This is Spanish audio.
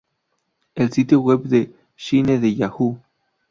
El sitio web de Shine de Yahoo!